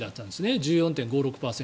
１４．５６％。